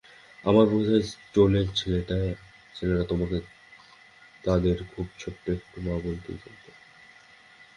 আমার বোধ হয় টোলের ছেলেরা তোমাকে তাদের খুব ছোট্টো এতটুকু মা বলেই জানত।